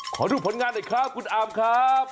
ขอดูผลงานหน่อยครับคุณอามครับ